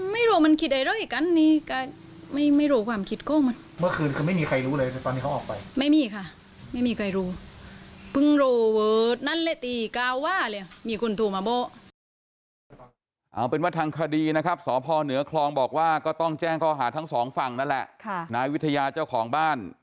ไม่รู้มันคิดไอล่ะเง็นนี้กลายไม่รู้ความคิดโกงมัน